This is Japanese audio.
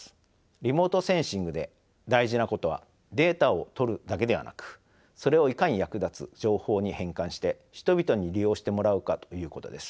リモートセンシングで大事なことはデータを取るだけではなくそれをいかに役立つ情報に変換して人々に利用してもらうかということです。